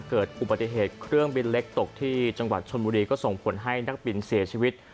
เกิดอุบัติเหตุเครื่องบินเล็กตกที่จังหวัดชนบุรีก็ส่งผลให้นักบินเสียชีวิต